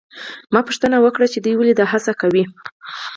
ما پوښتنه وکړه چې دوی دا هڅه ولې کوي؟